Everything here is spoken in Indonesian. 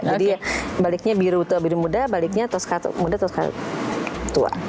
jadi baliknya biru tua biru muda baliknya muda tua tua tua